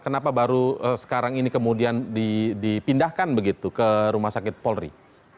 kenapa baru sekarang ini kemudian dipindahkan begitu ke rumah sakit polri